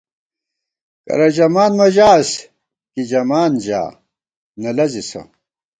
کرہ ژَمان مہ ژاس ، کی ژَمان ژا ، نہ لَزِسہ